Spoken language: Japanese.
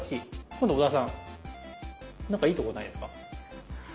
今度小田さんなんかいいとこないですか？